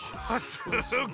すごいね。